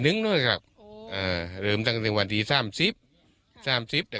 หนึ่งเนอะครับอ่าเริ่มตั้งแต่วันทีสามสิบสามสิบแต่